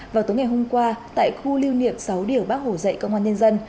vào tối ngày hôm qua tại khu lưu niệm sáu điểm bác hổ dạy công an nhân dân